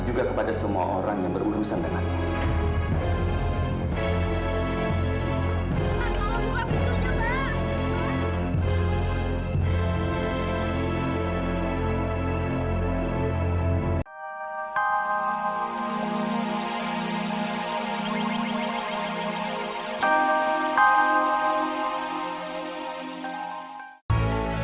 juga kepada semua orang yang berurusan dengannya